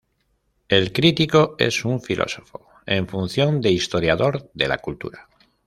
El crítico es un filósofo en función de historiador de la cultura.